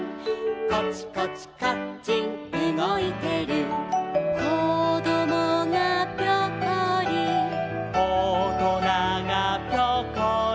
「コチコチカッチンうごいてる」「こどもがピョコリ」「おとながピョコリ」